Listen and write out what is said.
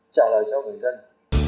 trả lời cho bình kinh